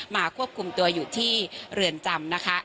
ควบคุมตัวอยู่ที่เรือนจำนะคะ